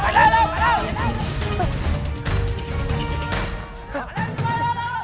ไปแล้วเว้ยไปแล้ว